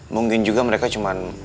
mungkin juga mereka cuman